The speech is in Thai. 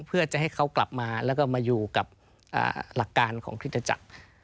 เพื่อจะให้เขากลับมาแล้วก็มาอยู่กับหลักการของคริสตจักร